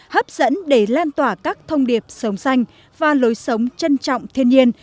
hấp dẫn để lan tỏa các thông điệp sống xanh và lối sống trân trọng thiên nhiên